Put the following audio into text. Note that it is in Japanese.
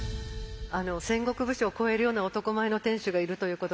戦国武将を超えるような男前の店主がいるということで。